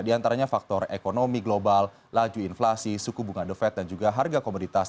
di antaranya faktor ekonomi global laju inflasi suku bunga the fed dan juga harga komoditas